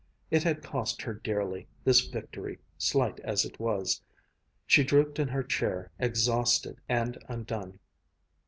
It had cost her dearly, this victory, slight as it was. She drooped in her chair, exhausted and undone.